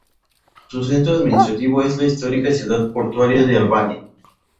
Su centro administrativo es la histórica ciudad portuaria de Albany.